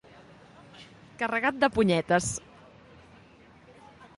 Carregat de punyetes.